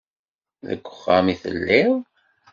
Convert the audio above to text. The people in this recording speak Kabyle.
Deg uxxam itelliḍ?